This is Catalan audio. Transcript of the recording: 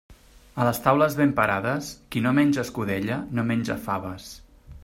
A les taules ben parades, qui no menja escudella no menja faves.